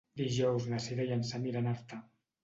Dijous na Sira i en Sam iran a Artà.